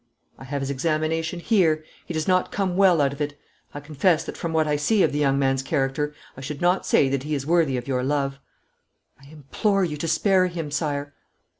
'I have his examination here. He does not come well out of it. I confess that from what I see of the young man's character I should not say that he is worthy of your love.' 'I implore you to spare him, Sire.'